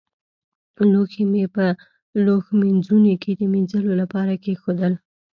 لوښي مې په لوښمینځوني کې د مينځلو لپاره کېښودل.